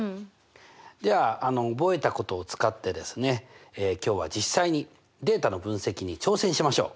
では覚えたことを使ってですね今日は実際にデータの分析に挑戦しましょう！